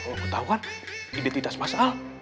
kalo ketauan identitas mas al